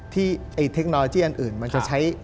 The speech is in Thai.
ที่เทคโนโลยีอันอื่นมันจะใช้